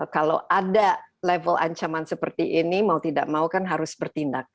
kalau ada level ancaman seperti ini mau tidak mau kan harus bertindak